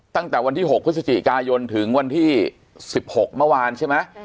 ตั้งแต่วันที่หกพฤศจิกายนถึงวันที่สิบหกเมื่อวานใช่ไหมใช่ค่ะ